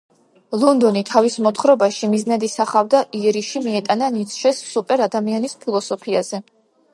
ლონდონი თავის მოთხრობაში მიზნად ისახავდა იერიში მიეტანა ნიცშეს სუპერ ადამიანის ფილოსოფიაზე.